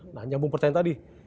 nah nyambung pertanyaan tadi